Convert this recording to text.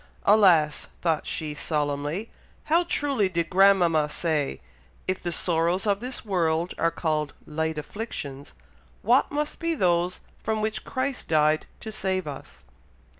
"Alas!" thought she solemnly, "how truly did grandmama say, 'If the sorrows of this world are called 'light afflictions,' what must be those from which Christ died to save us!'